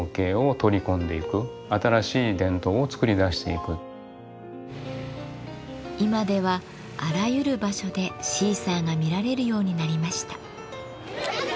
あるいはあるいは今ではあらゆる場所でシーサーが見られるようになりました。